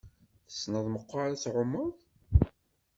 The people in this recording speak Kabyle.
Tessneḍ meqqar ad tεummeḍ?